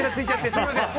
すみません。